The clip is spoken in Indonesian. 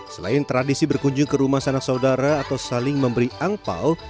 selain tradisi berkunjung ke rumah sanak saudara atau saling memberi angpao